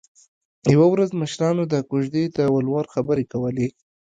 یوه ورځ مشرانو د کوژدې د ولور خبرې کولې